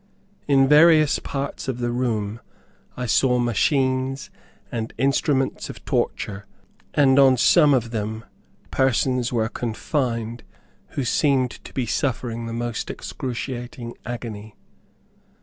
In various parts of the room I saw machines, and instruments of torture, and on some of them persons were confined who seemed to be suffering the most excruciating agony.